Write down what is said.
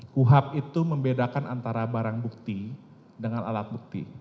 kuhap itu membedakan antara barang bukti dengan alat bukti